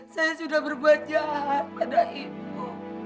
saya sudah berbuat jahat pada ibu